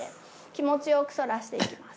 気持ちよく反らしていきます。